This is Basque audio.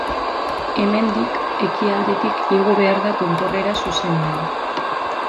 Hemendik, ekialdetik igo behar da tontorrera zuzenean.